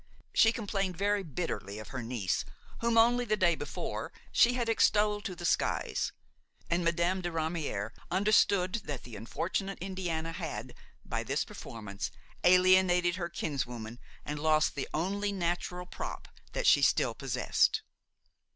She complained very bitterly of her niece, whom, only the day before, she had extolled to the skies; and Madame de Ramière understood that the unfortunate Indiana had, by this performance, alienated her kinswoman and lost the only natural prop that she still possessed.